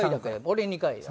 俺２回や。